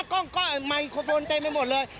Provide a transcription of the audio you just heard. กล้องก็ไมโครโฟนเต็มไปหมดเลย